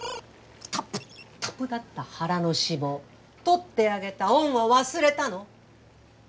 たぷたぷだった腹の脂肪取ってあげた恩を忘れたの？